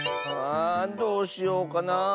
あどうしようかなあ。